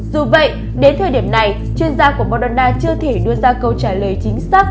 dù vậy đến thời điểm này chuyên gia của moderna chưa thể đưa ra câu trả lời chính xác